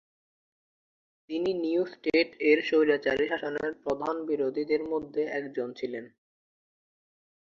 তিনি new state এর স্বৈরাচারী শাসনের প্রধান বিরোধীদের মধ্যে একজন ছিলেন।